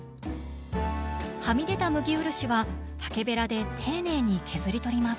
はみ出た麦漆は竹べらで丁寧に削り取ります。